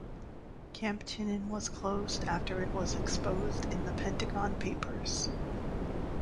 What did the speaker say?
Camp Chinen was closed after it was exposed in The Pentagon Papers.